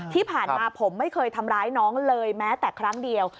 ที่ผ่านมาผมไม่เคยทำร้ายน้องเลยแม้แต่ครั้งเดียว